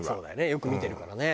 よく見てるからね。